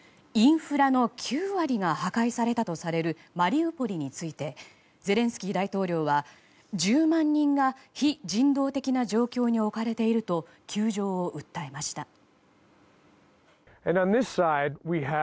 インフラの９割が破壊されたとされるマリウポリについてゼレンスキー大統領は１０万人が非人道的な状況に置かれていると窮状を訴えました。